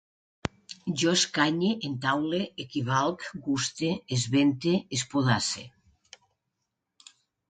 Jo escanye, entaule, equivalc, guste, esvente, espodasse